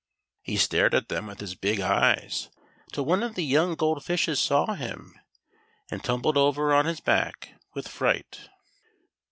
He stared at them with his big eyes till one of the young gold fishes saw him, and tumbled over on his back with fright.